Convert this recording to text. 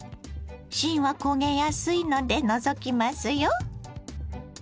芯は焦げやすいので除きますよ。